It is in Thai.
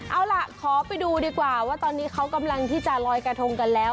เอาล่ะขอไปดูดีกว่าว่าตอนนี้เขากำลังที่จะลอยกระทงกันแล้ว